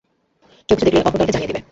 কেউ কিছু দেখলে অপর দলকে জানিয়ে দিবে।